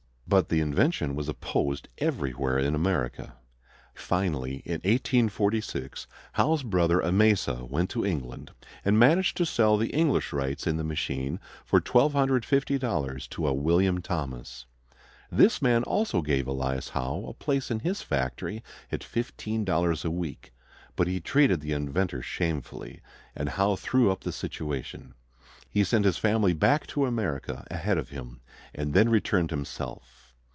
But the invention was opposed everywhere in America. Finally, in 1846, Howe's brother Amasa went to England, and managed to sell the English rights in the machine for $1,250 to a William Thomas. This man also gave Elias Howe a place in his factory at $15 a week. But he treated the inventor shamefully, and Howe threw up the situation. He sent his family back to America ahead of him, and then returned himself.